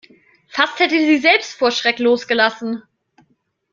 Fast hätte sie selbst vor Schreck losgelassen.